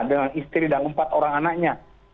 dengan istri dan empat orang anaknya